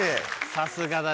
さすがだね。